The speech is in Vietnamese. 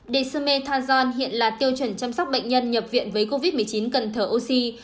dexamethasone hiện là tiêu chuẩn chăm sóc bệnh nhân nhập viện với covid một mươi chín cần thở oxy